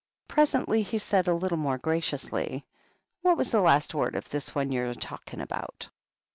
Presently he said, a little more graciously, "What was the last word of this one you're a talking about?"